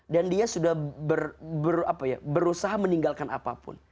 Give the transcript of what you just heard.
dan dia sudah berusaha meninggalkan apapun